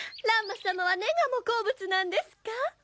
乱馬様はネガも好物なんですか？